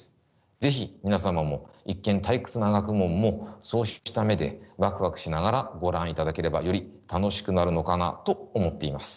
是非皆様も一見退屈な学問もそうした目でワクワクしながらご覧いただければより楽しくなるのかなと思っています。